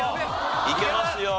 いけますよ。